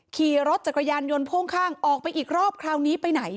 ขี่รถจักรยานยนต์พ่วงข้างออกไปอีกรอบคราวนี้ไปไหน